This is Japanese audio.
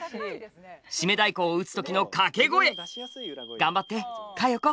締太鼓を打つ時の掛け声頑張って佳代子！